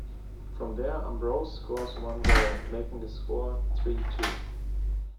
From there, Ambrose scores one goal-making the score three-two.